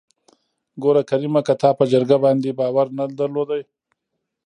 ګوره کريمه که تا په جرګه باندې باور نه درلوده.